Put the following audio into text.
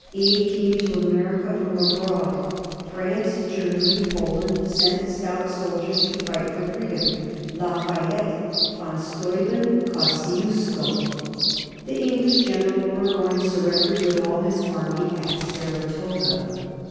Aid came to America from abroad. France, Germany, Poland sent stout soldiers to fight for freedom Lafayette, Von Steuben, Kosciusko. The English general Burgoyne surrendered with all his army at Saratoga.